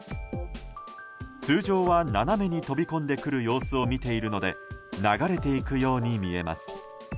通常は、斜めに飛び込んでくる様子を見ているので流れていくように見えます。